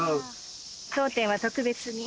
当店は特別に。